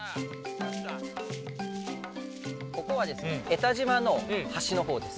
ここはですね江田島の端の方です。